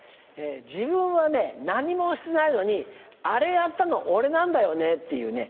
自分は何もしてないのにアレやったのオレなんだよねっていうね